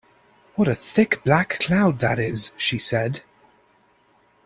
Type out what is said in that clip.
‘What a thick black cloud that is!’ she said.